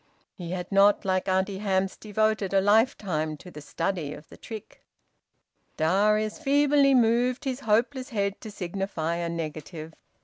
He had not, like Auntie Hamps, devoted a lifetime to the study of the trick. Darius feebly moved his hopeless head to signify a negative.